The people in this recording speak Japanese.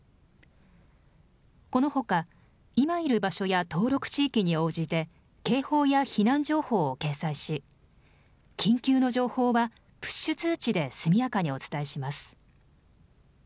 このほか今いる場所や登録地域に応じて警報や避難情報を掲載し緊急の情報はプッシュ通知で速やかにお伝えします。